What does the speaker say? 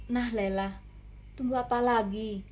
nah lela tunggu apa lagi